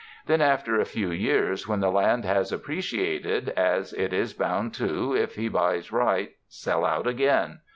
Then after a few years, when the land has appreciated, as it is bound to if he buys right, sell out again.